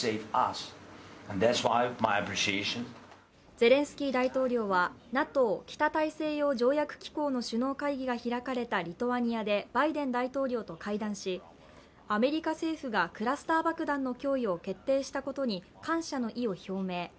ゼレンスキー大統領はＮＡＴＯ＝北大西洋条約機構の首脳会議が開かれたリトアニアでバイデン大統領と会談し、アメリカ政府がクラスター爆弾の供与を決定したことに、感謝の意を表明。